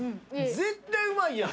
絶対うまいやん。